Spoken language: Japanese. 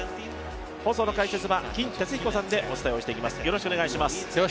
放送の解説は金哲彦さんでお伝えしてまいります。